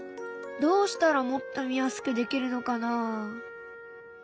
どうしたらもっと見やすくできるのかな？